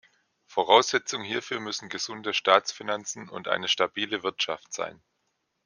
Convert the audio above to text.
Voraussetzung hierfür müssen gesunde Staatsfinanzen und eine stabile Wirtschaft sein.